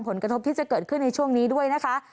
ผลกระทบที่จะเกิดขึ้นในช่วงนี้ด้วยนะคะ